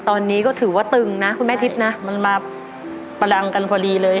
ตอนนี้ก็ถือว่าตึงนะคุณแม่ทิพย์นะมันมาประดังกันพอดีเลย